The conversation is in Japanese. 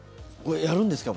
やるんですか？